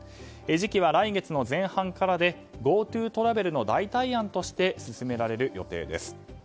時期は来月の前半からでＧｏＴｏトラベルの代替案として進められる予定です。